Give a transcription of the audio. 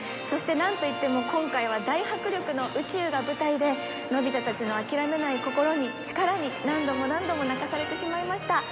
そしてなんといっても今回は大迫力の宇宙が舞台でのび太たちの諦めない心に力に何度も何度も泣かされてしまいました。